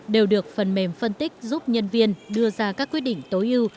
đều được phần mềm phân tích giúp nhân viên đưa ra các quyết định tối ưu